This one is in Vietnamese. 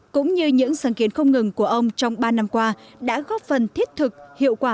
cũng như những sáng kiến không ngừng của ông trong ba năm qua đã góp phần thiết thực hiệu quả